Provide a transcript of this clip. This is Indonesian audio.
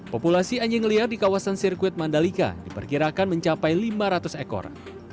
populasi anjing liar di kawasan sirkuit mandalika diperkirakan mencapai lima ratus ekor